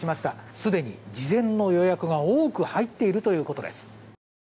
すでに事前の予約が多く入っているということです。